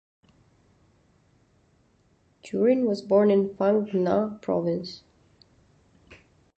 Jurin was born in Phang Nga Province.